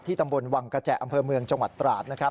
ตำบลวังกระแจอำเภอเมืองจังหวัดตราดนะครับ